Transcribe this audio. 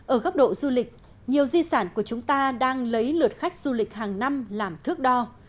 ở góc độ du lịch nhiều di sản của chúng ta đang lấy lượt khách du lịch hàng năm làm thước đo